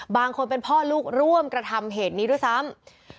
บางคนเป็นพ่อลูกร่วมกระทำเหตุนี้ด้วยซ้ำ